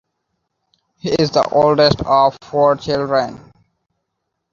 He is the oldest of four children.